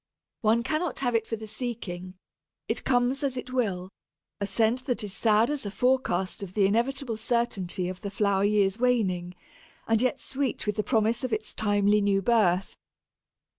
One cannot have it for the seeking; it comes as it will a scent that is sad as a forecast of the inevitable certainty of the flower year's waning, and yet sweet with the promise of its timely new birth.